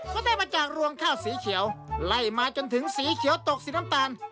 ก็ได้มาจากรวงข้าวสีเขียวไล่มาจนถึงสีเขียวตกสีน้ำตาล